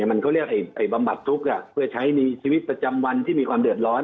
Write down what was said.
มันก็เรียกบำบัดทุกข์เพื่อใช้มีชีวิตประจำวันที่มีความเดือดร้อน